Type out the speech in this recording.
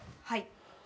はい。